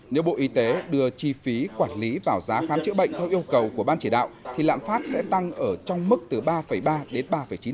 nếu bộ y tế đưa chi phí quản lý vào giá khám chữa bệnh theo yêu cầu của ban chỉ đạo thì lạm phát sẽ tăng ở trong mức từ ba ba đến ba chín